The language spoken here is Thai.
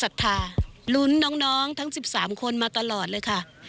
ศรัทธาลุ้นน้องทั้ง๑๓คนมาตลอดเลยค่ะ